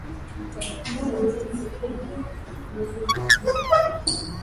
matawi ya benki yanatakiwa kuwa na wakala wao